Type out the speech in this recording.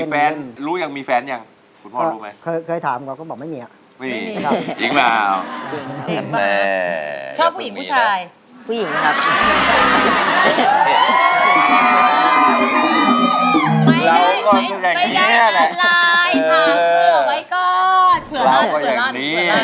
เผื่อลาดเผื่อลาดเผื่อลาด